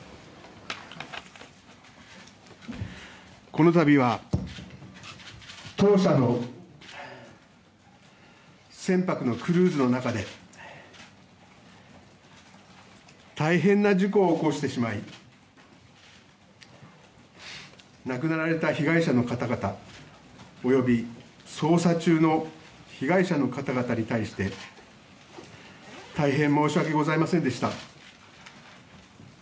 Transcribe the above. この度は当社の船舶のクルーズの中で大変な事故を起こしてしまい亡くなられた被害者の方々及び捜索中の被害者の方々に対して大変申し訳ございませんでした。